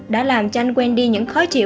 đã làm cho anh quen đi những khó chịu